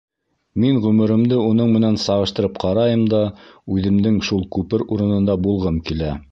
Мин ғүмеремде уның менән сағыштырып ҡарайым да үҙемдең шул күпер урынында булғым килә.